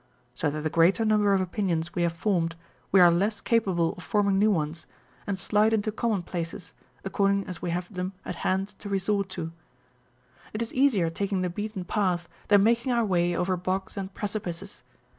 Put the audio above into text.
So that the greater number of opinions we have formed, we are less capable of forming new ones, and 432 On Novelty and Familiarity. slide into commonplaces, according as we have them at hand to resort to. It is easier taking the beaten path than making our way over bogs and precipices.